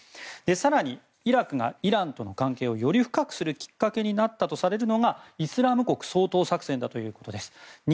更に、イラクがイランとの関係をより深くするきっかけになったとされるのがイスラム国掃討作戦だということです。